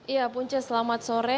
ya punca selamat sore